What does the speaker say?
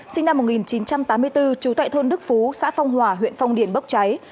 sinh năm một nghìn chín trăm tám mươi bốn trú tại thôn đức phú xã phong hòa huyện phong điền bốc cháy